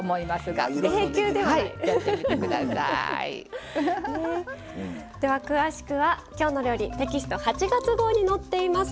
では詳しくは「きょうの料理」テキスト８月号に載っています。